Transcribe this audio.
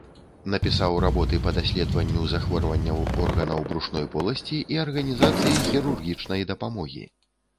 Напісаў работы па даследаванню захворванняў органаў брушной поласці і арганізацыі хірургічнай дапамогі.